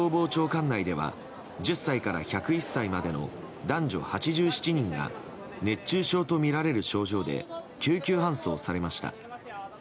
管内では１０歳から１０１歳までの男女８７人が熱中症とみられる症状で救急搬送されました。